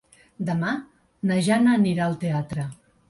Demà na Jana anirà al teatre.